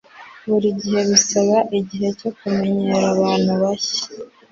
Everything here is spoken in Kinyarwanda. Buri gihe bisaba igihe cyo kumenyera ahantu hashya.